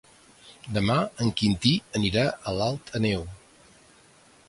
Demà en Quintí anirà a Alt Àneu.